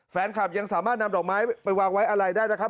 แฟนคลับยังสามารถนำดอกไม้ไปวางไว้อะไรได้นะครับ